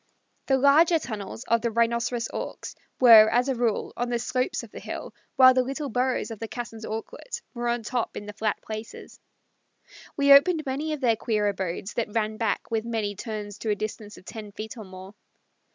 The larger tunnels of the Rhinoceros Auks were, as a rule, on the slopes of the hill, while the little burrows of the Cassin's Auklet were on top in the flat places. We opened many of their queer abodes that ran back with many turns to a distance of ten feet or more.